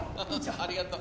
ありがとう。